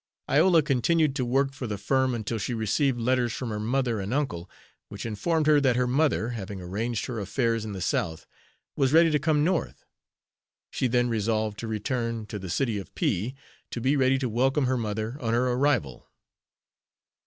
Iola continued to work for the firm until she received letters from her mother and uncle, which informed her that her mother, having arranged her affairs in the South, was ready to come North. She then resolved to return, to the city of P , to be ready to welcome her mother on her arrival.